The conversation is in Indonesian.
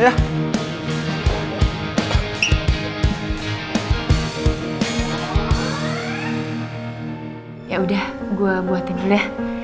ya udah gue buatin dulu deh